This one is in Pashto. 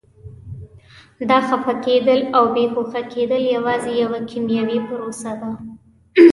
دا خفه کېدل او بې هوښه کېدل یوازې یوه کیمیاوي پروسه ده.